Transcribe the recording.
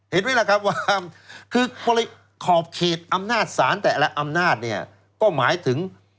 เห็นไหมล่ะครับขอบเขตอำนาจศาลแต่อำนาจก็หมายถึง